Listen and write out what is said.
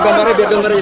puannya selalu gitu pak